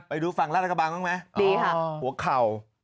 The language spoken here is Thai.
ไปดูฝั่งราดกระบังมั้ยหัวเข่า